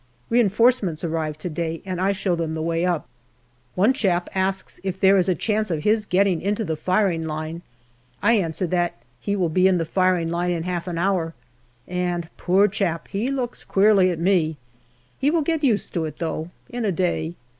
Reinforcements arrive to day, and I show them the way up. One chap asks if there is a chance of his getting into the firing line. I answer that he will be in the firing line in half an hour, and, poor chap ! he looks queerly at me. He will get used to it, though, in a day.